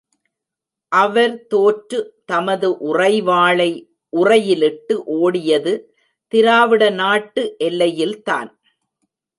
அவர் தோற்று தமது உறைவாளை உறையிலிட்டு ஓடியது, திராவிட நாட்டு எல்லையில்தான்!